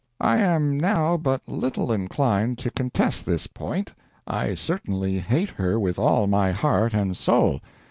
"I am now but little inclined to contest this point. I certainly hate her with all my heart and soul....